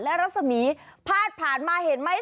และรัศมีพาดผ่านมาเห็นไหม